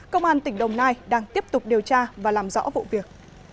công an tỉnh đồng nai đang tiếp tục điều tra và làm rõ vụ việc